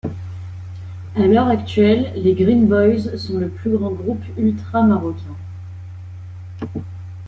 À l'heure actuelle les Green Boys sont le plus grand groupe ultras marocain.